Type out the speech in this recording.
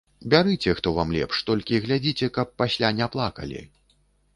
Бярыце, хто вам лепш, толькі глядзіце, каб пасля не плакалі.